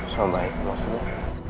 soal baik maksudnya